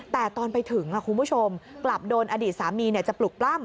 แต่ตอนไปถึงคุณผู้ชมกลับโดนอดีตสามีจะปลุกปล้ำ